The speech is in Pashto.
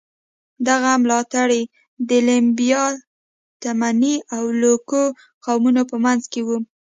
دغه ملاتړي د لیمبا، تمني او لوکو قومونو په منځ کې وو.